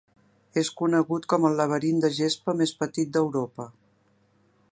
És conegut com el laberint de gespa més petit d'Europa.